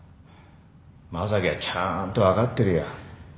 正樹はちゃんと分かってるよ。